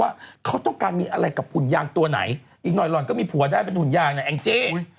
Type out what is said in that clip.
ว่าเขาต้องการมีอะไรกับหุ่นยางตัวไหนอีกหน่อยหล่อนก็มีผัวได้เป็นหุ่นยางนะแองจี้